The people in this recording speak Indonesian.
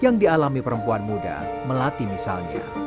yang dialami perempuan muda melati misalnya